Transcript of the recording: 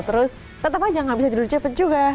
terus tetap aja gak bisa tidur cepet juga